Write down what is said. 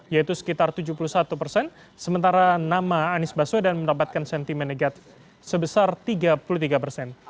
yaitu sekitar tujuh puluh satu persen sementara nama anies baswedan mendapatkan sentimen negatif sebesar tiga puluh tiga persen